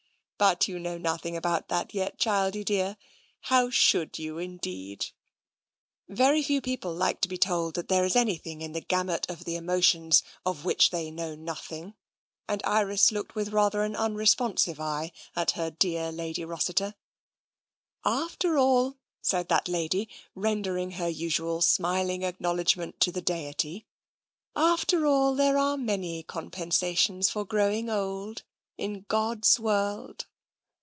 But you know nothing about that yet, childie dear. How should you, indeed? " Very few people like to be told that there is anything in the gamut of the emotions of which they know noth ing, and Iris looked with rather an unresponsive eye at her dear Lady Rossiter. " After all," said that lady, rendering her usual smil ing acknowledgment to the Deity, " after all, there are many compensations for growing old, in God's world."